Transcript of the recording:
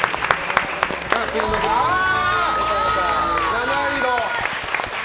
七色！